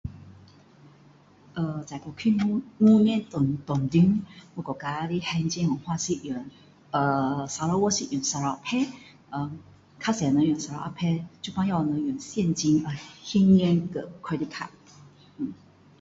这过去五年当中国家的还钱方式呃 Sarawak 是用 Sarawak pay 呃比较多人用 Sarawak pay 现在也有人用现金和 credit card